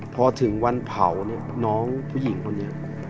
พอถึงวันเผาเนี่ยน้องผู้หญิงคนนี้